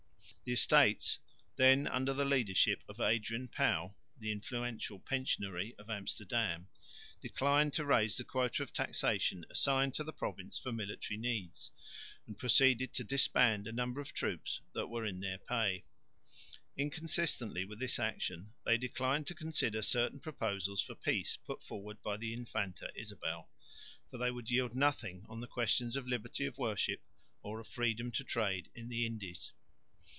The Estates, then under the leadership of Adrian Pauw, the influential pensionary of Amsterdam, declined to raise the quota of taxation assigned to the province for military needs and proceeded to disband a number of troops that were in their pay. Inconsistently with this action they declined to consider certain proposals for peace put forward by the Infanta Isabel, for they would yield nothing on the questions of liberty of worship or of freedom to trade in the Indies.